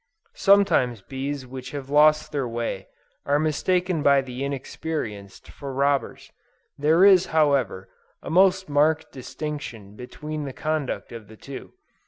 Sometimes bees which have lost their way, are mistaken by the inexperienced, for robbers; there is however, a most marked distinction between the conduct of the two.